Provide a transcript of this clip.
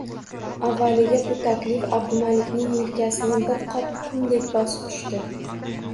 Avvaliga bu taklif Abdumalikning elkasini bir qop qumdek bosib tushdi